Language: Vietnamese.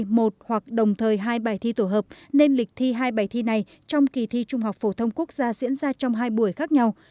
khi đăng ký dự thi một hoặc đồng thời hai bài thi tổ hợp nên lịch thi hai bài thi này trong kỳ thi trung học phổ thông quốc gia diễn ra trong hai buổi khác nhau